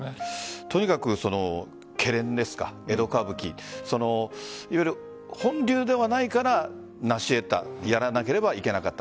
とにかく、けれんですか江戸歌舞伎いわゆる本流ではないから成し得たやらなければいけなかった。